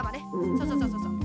そうそうそうそうそう。